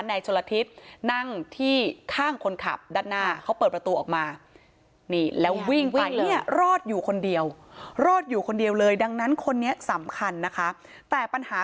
นายชนละทิศนั่งที่ข้างคนขับด้านหน้าเขาเปิดประตูออกมา